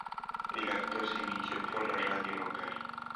El acto se emitió por la radio local.